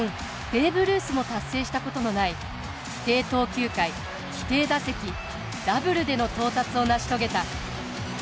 ベーブ・ルースも達成したことのない規定投球回規定打席ダブルでの到達を成し遂げた。